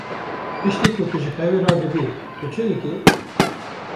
Piştî ku tu ji xewê radibî, tu çi dikî?